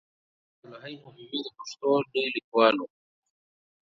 پوهاند عبدالحی حبيبي د پښتو لوی ليکوال وو.